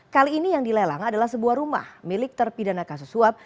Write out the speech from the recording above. kali ini yang dilelang adalah sebuah rumah milik terpidana kasus suap